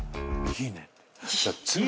「いいね」